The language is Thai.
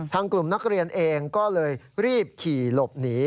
กลุ่มนักเรียนเองก็เลยรีบขี่หลบหนี